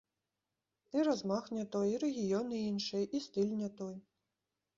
І размах не той, і рэгіёны іншыя, і стыль не той.